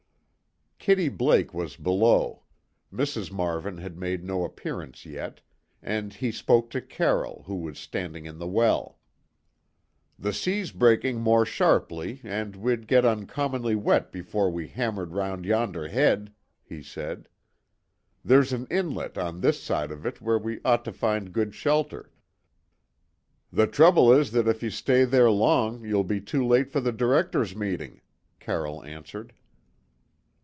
Kitty Blake was below; Mrs. Marvin had made no appearance yet, and he spoke to Carroll, who was standing in the well. "The sea's breaking more sharply, and we'd get uncommonly wet before we hammered round yonder head," he said. "There's an inlet on this side of it where we ought to find good shelter." "The trouble is that if you stay there long you'll be too late for the directors' meeting," Carroll answered.